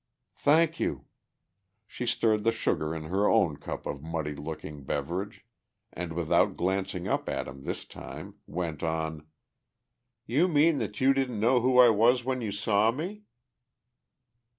"Thank you." She stirred the sugar in her own cup of muddy looking beverage and without glancing up at him this time, went on, "You mean that you didn't know who I was when you saw me?"